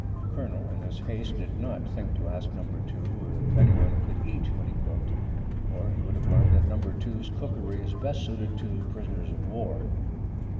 Colonel in his haste did not think to ask Number 2 if any one could eat what he cooked, or he would have learned that Number 2's cookery is best suited to prisoners of war.